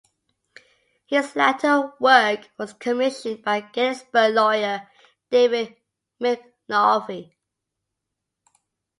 This latter work was commissioned by Gettysburg lawyer David McConaughy.